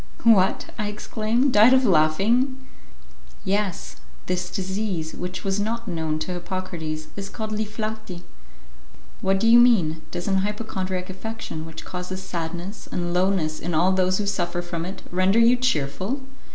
"What!" I exclaimed, "died of laughing!" "Yes. This disease, which was not known to Hippocrates, is called li flati." "What do you mean? Does an hypochondriac affection, which causes sadness and lowness in all those who suffer from it, render you cheerful?"